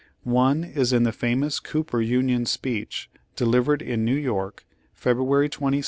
One is in the famous Cooper Union speech delivered in New York, February 27,1860.